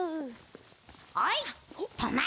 ・おいとまれ！